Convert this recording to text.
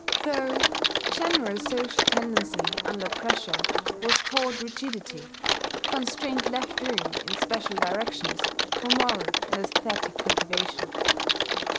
Though the general social tendency under pressure was toward rigidity, constraint left room, in special directions, for moral and aesthetic cultivation.